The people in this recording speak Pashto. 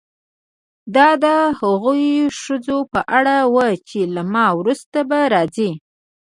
دا د هغو ښځو په اړه وه چې له ما وروسته به راځي.